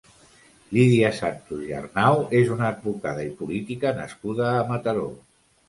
Lídia Santos i Arnau és una advocada i política nascuda a Mataró.